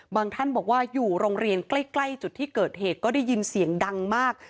ท่านบอกว่าอยู่โรงเรียนใกล้จุดที่เกิดเหตุก็ได้ยินเสียงดังมาก